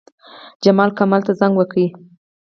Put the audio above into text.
جمال، کمال ته زنګ وکړ.